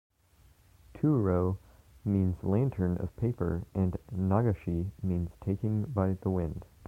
Tooro means lantern of paper and nagashi means taking by the wind.